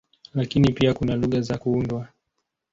Lakini pia kuna lugha za kuundwa.